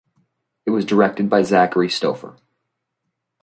It was directed by Zachary Stauffer.